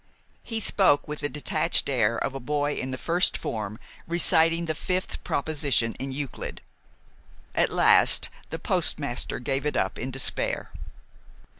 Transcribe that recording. He spoke with the detached air of a boy in the first form reciting the fifth proposition in Euclid. At last the postmaster gave it up in despair.